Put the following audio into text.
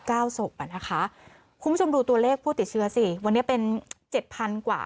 คุณผู้ชมดูตัวเลขผู้ติดเชื้อสิวันนี้เป็น๗๐๐๐กว่า